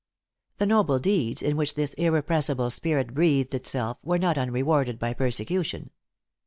The noble deeds in which this irrepressible spirit breathed itself, were not unrewarded by persecution.